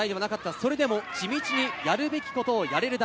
それでも地道にやるべきことをやれる代。